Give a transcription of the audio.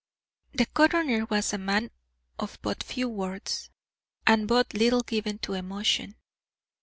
The coroner was a man of but few words, and but little given to emotion.